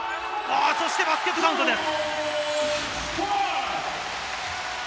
そしてバスケットカウントです。